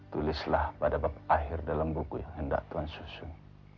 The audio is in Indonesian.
tulislah pada babak akhir dalam buku yang hendak tuhan susun